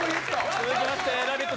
続きましてラヴィット！